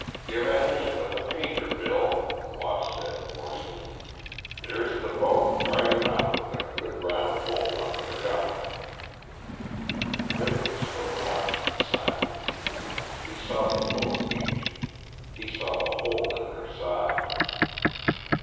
"Give a hand with the painter, Bill," Wass said hoarsely. "There's the boat right enough with a good round hole under the gunwale." Ravenspur watched in silence. He saw the boat beached; he saw the hole in her side.